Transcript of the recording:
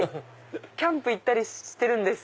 キャンプ行ったりしてるんです。